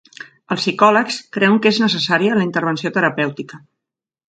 Els psicòlegs creuen que és necessària la intervenció terapèutica.